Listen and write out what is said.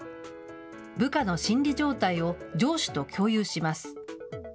部下の心理状態を上司と共有します。